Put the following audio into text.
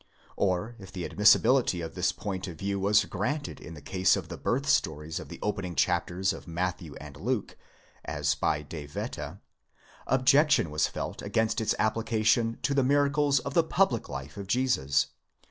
Or if the admissibility of this point of view was granted in the case of the birth stories of the opening chapters of Matthew and Luke (as by De Wette), objection was felt against its application to the miracles of the public life of Jesus.